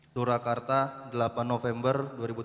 surakarta delapan november dua ribu tujuh belas